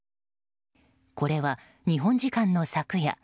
これは日本時間の昨夜